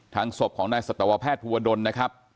ทางสบของนายศตวแพทย์ภูวดลนะครับ